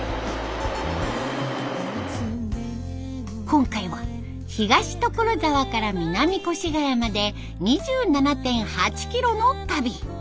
今回は東所沢から南越谷まで２７．８キロの旅。